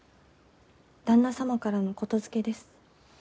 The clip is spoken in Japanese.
旦那様からの言づけです。